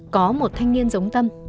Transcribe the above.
có một thanh niên giống tâm